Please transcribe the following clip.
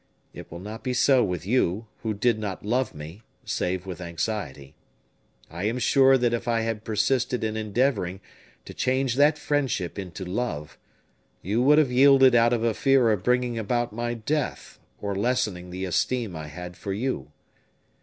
It will not be so with you, who did not love me, save with anxiety. I am sure that if I had persisted in endeavoring to change that friendship into love, you would have yielded out of a fear of bringing about my death, or lessening the esteem I had for you.